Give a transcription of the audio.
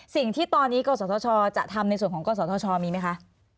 สิ่งที่ตอนนี้ก็จะทำในส่วนของกฎศาสตร์ท่อชอมีไหมคะ